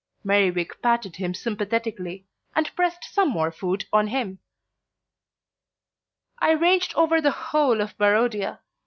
Merriwig patted him sympathetically, and pressed some more food on him. "I ranged over the whole of Barodia.